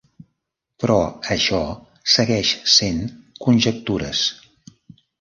Però això segueix sent conjectures.